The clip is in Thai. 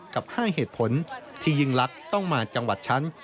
กับ๕เหตุผลที่ยิ่งลักษณ์ต้องมาจังหวัดฉัน